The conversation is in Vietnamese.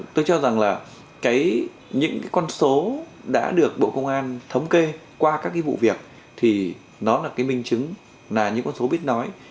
tôi cho rằng là những cái con số đã được bộ công an thống kê qua các cái vụ việc thì nó là cái minh chứng là những con số biết nói